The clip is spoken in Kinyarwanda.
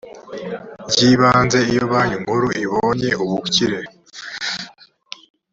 ry ibanze iyo banki nkuru ibonye ubukire